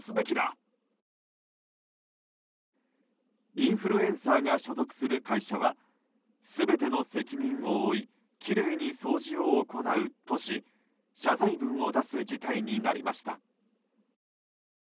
インフルエンサーが所属する会社は全ての責任を負いきれいに掃除を行うとし謝罪文を出す事態になりました。